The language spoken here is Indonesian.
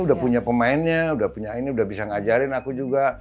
udah punya pemainnya udah punya ini udah bisa ngajarin aku juga